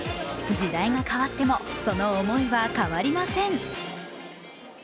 時代が変わってもその思いは変わりません。